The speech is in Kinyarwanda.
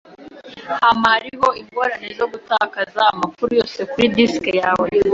Hama hariho ingorane zo gutakaza amakuru yose kuri disiki yawe.